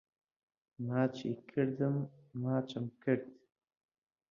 ماچی کردم ماچم کرد